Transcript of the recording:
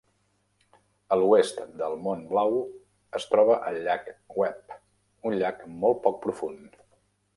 A l'oest del Mont Blau, es troba el llac Webb, un llac molt poc profund.